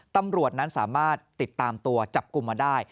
ตำรวจนั้นสามารถติดตามตัวจับกลุ่มมาได้